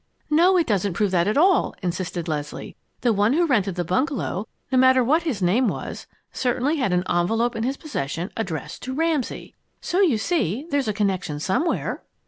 "No, it doesn't prove that at all," insisted Leslie. "The one who rented the bungalow, no matter what his name was, certainly had an envelop in his possession addressed to Ramsay. So you see there's a connection somewhere!"